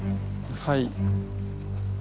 はい。